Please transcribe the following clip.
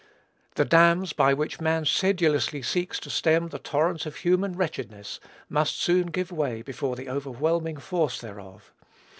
The dams by which man sedulously seeks to stem the torrent of human wretchedness, must soon give way before the overwhelming force thereof.